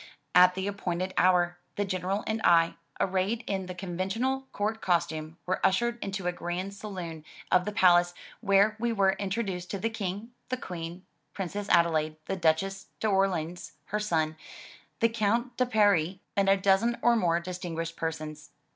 At the appointed hour, the General and I, arrayed in the conventional court costume, were ushered into a grand saloon of the palace, where we were introduced to the King, the Queen, Princess Adelaide, the Duchess d^Orleans, her son, the Count de Paris, and a dozen or more distinguished persons.